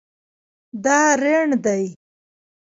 دا ریڼ دی